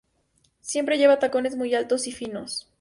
Siempre lleva tacones muy altos y finos.